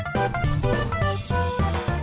โปรดติดตามตอนต่อไป